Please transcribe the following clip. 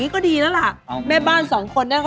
ขอต้อนรับเชฟ